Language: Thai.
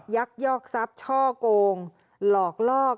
ยักยอกทรัพย์ช่อโกงหลอกลอก